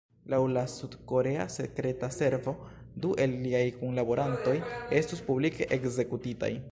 Laŭ la sud-korea sekreta servo, du el liaj kunlaborantoj estus publike ekzekutitaj.